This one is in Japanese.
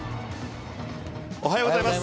おはようございます。